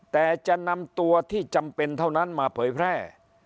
แต่จะนำตัวที่จำเป็นเท่านั้นมาเผยแพร่